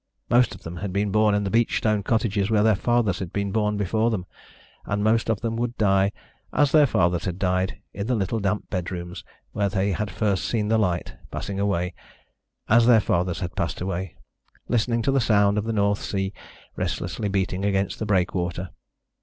Most of them had been born in the beach stone cottages where their fathers had been born before them, and most of them would die, as their fathers had died, in the little damp bedrooms where they had first seen the light, passing away, as their fathers had passed away, listening to the sound of the North Sea restlessly beating against the breakwater.